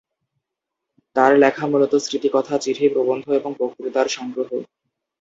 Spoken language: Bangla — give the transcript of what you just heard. তাঁর লেখা মূলত স্মৃতিকথা, চিঠি, প্রবন্ধ এবং বক্তৃতার সংগ্রহ।